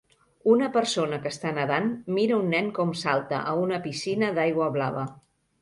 Una persona que està nedant mira un nen com salta a una piscina d'aigua blava.